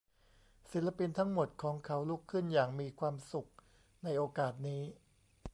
ศิลปินทั้งหมดของเขาลุกขึ้นอย่างมีความสุขในโอกาสนี้